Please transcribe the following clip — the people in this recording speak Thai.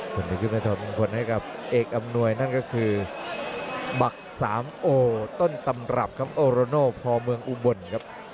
ส่วนทางด้านนี้ครับเอกอำนวยนั่นก็คือบักสามโอต้นตำรับครับโอโรโน่พอเมืองอุบลครับ